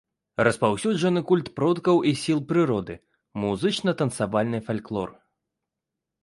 Распаўсюджаны культ продкаў і сіл прыроды, музычна-танцавальны фальклор.